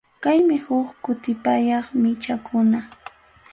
Kaymi huk kutipayaq michakuna.